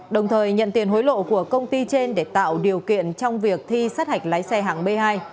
đồng thời nhận tiền hối lộ của công ty trên để tạo điều kiện trong việc thi sát hạch lái xe hạng b hai